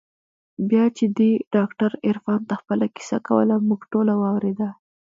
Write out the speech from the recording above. بيا چې دې ډاکتر عرفان ته خپله کيسه کوله موږ ټوله واورېده.